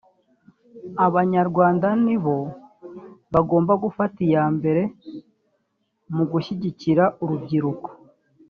Abanyarwanda nibo bagomba gufata iya mbere mu gushyigikira urubyiruruko